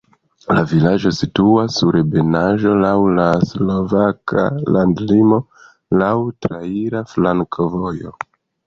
La vilaĝo situas sur ebenaĵo, laŭ la slovaka landlimo, laŭ traira flankovojo.